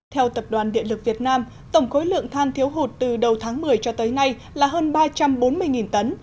theo tập đoàn điện lực việt nam tổng khối lượng than thiếu hụt từ đầu tháng một mươi cho tới nay là hơn ba trăm bốn mươi tấn